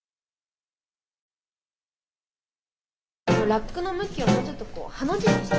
ラックの向きをもうちょっとこうハの字にして。